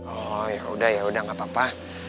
oh yaudah yaudah gak apa apa